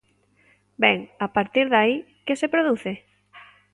Ben, a partir de aí, ¿que se produce?